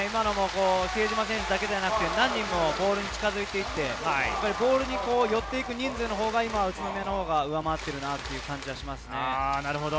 比江島選手だけではなく何人もボールに近づいていって、ボールに寄って行く人数が宇都宮のほうが上回っているような気がします。